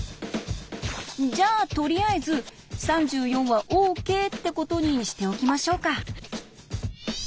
じゃあとりあえず３４はＯＫってことにしておきましょうか。